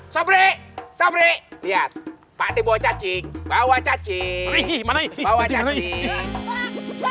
sobri sobri lihat pak deh bawa cacing bawa cacing